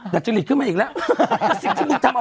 ดัชลิดขึ้นมาอีกแล้ว